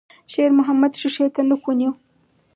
شېرمحمد ښيښې ته نوک ونيو.